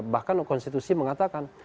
bahkan konstitusi mengatakan